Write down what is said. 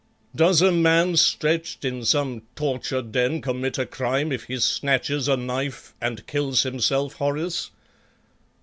"Does a man stretched in some torture den commit a crime if he snatches a knife and kills himself, Horace?